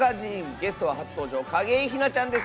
ゲストは初登場景井ひなちゃんです。